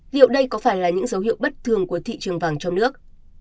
liệu đây có phải là những dấu hiệu bất thường của thị trường vàng trong nước